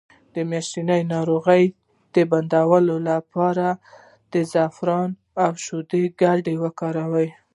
د میاشتنۍ ناروغۍ د بندیدو لپاره د زعفران او شیدو ګډول وکاروئ